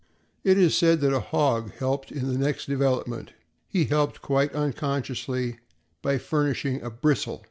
It is said that a hog helped in the next development; he helped quite unconsciously by furnishing a bristle.